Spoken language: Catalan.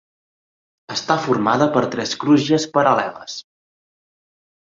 Està formada per tres crugies paral·leles.